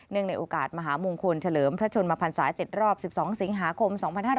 ในโอกาสมหามงคลเฉลิมพระชนมพันศา๗รอบ๑๒สิงหาคม๒๕๕๙